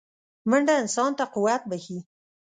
منډه انسان ته قوت بښي